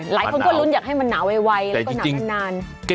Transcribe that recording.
หลายคนก็ลุ้นอยากให้มันหนาวไวแล้วก็หนาวนาน